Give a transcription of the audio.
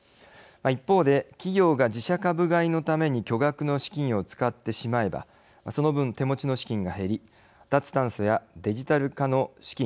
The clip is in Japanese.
一方で企業が自社株買いのために巨額の資金を使ってしまえばその分、手持ちの資金が減り脱炭素やデジタル化の資金